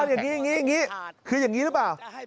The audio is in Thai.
อย่างนี้คืออย่างนี้หรือเปล่า